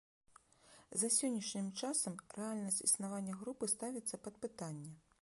За сённяшнім часам рэальнасць існавання групы ставіцца пад пытанне.